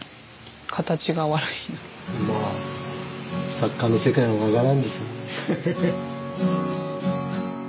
作家の世界は分からんです。